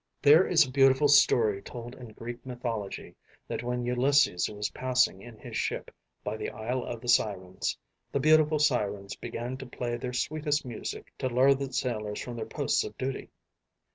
There is a beautiful story told in Greek mythology that when Ulysses was passing in his ship by the Isle of the Sirens, the beautiful sirens began to play their sweetest music to lure the sailors from their posts of duty.